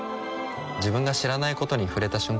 自分が知らないことに触れた瞬間